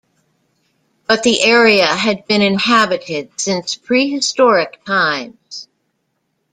But the area had been inhabited since prehistoric times.